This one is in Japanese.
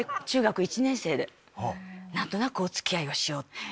中学１年生で何となくおつきあいをしよう。